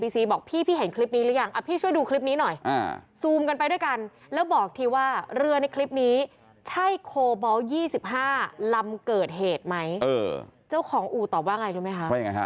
เจ้าของอู๋ตอบว่าไงรู้ไหมครับว่าอย่างไรครับ